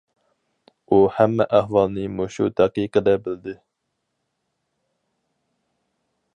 ئۇ ھەممە ئەھۋالنى مۇشۇ دەقىقىدە بىلدى.